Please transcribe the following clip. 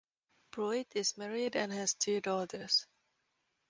Pruitt is married and has two daughters.